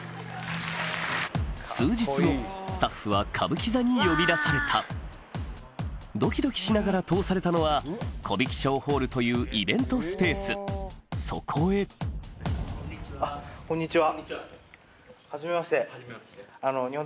数日後スタッフは歌舞伎座に呼び出されたドキドキしながら通されたのはというイベントスペースそこへこんにちは。